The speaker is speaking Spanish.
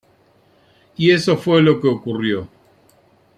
Y eso fue lo que ocurrió.